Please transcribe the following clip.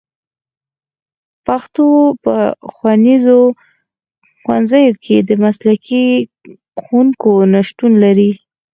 پښتو په ښوونځیو کې د مسلکي ښوونکو نشتون لري